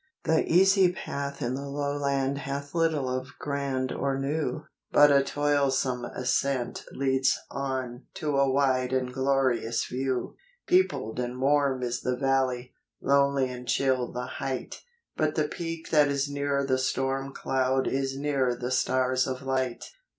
The easy path in the lowland hath little of grand or new, But a toilsome ascent leads on to a wide and glorious view; Peopled and warm is the valley, lonely and chill the height, But the peak that is nearer the storm cloud is nearer the stars of light.